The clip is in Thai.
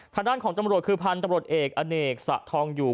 ทางด้านของตำรวจคือพันธุ์ตำรวจเอกอเนกสะทองอยู่